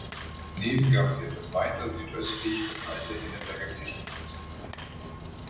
Daneben gab es etwas weiter südöstlich das alte Henneberger Zechenhaus.